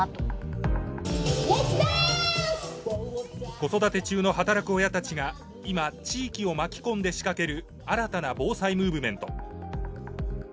子育て中の働く親たちが今地域を巻きこんで仕掛ける新たな防災ムーブメント。